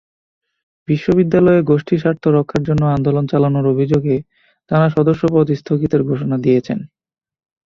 বিশ্ববিদ্যালয়ে গোষ্ঠীস্বার্থ রক্ষার জন্য আন্দোলন চালানোর অভিযোগে তাঁরা সদস্যপদ স্থগিতের ঘোষণা দিয়েছেন।